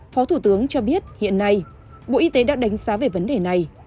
phó thủ tướng cho biết hiện nay bộ y tế đã đánh giá về vấn đề này